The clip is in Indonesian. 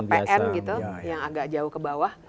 pn gitu yang agak jauh ke bawah